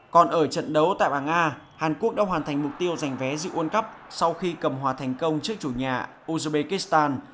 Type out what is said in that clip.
còn ở trận đấu tại bảng a hàn quốc đã hoàn thành mục tiêu giành vé dự quân cấp sau khi cầm hòa thành công trước chủ nhà uzbekistan